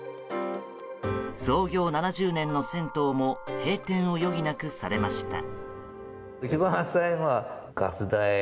創業７０年の銭湯も閉店を余儀なくされました。